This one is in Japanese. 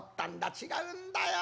違うんだよ。